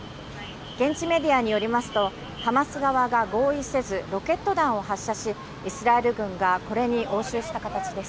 現地メディアによりますと、ハマス側が合意せず、ロケット弾を発射し、イスラエル軍がこれに応酬した形です。